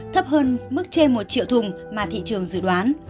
thấp hơn mức trên một triệu thùng mà thị trường dự đoán